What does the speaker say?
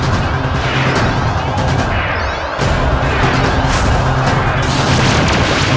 aku tidak peduli